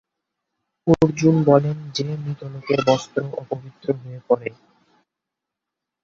অর্জুন বলেন যে মৃত লোকের বস্ত্র অপবিত্র হয়ে পড়ে।